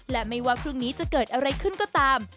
และไม่ว่าพรุ่งนี้จะเกิดอะไรขึ้นก็ตาม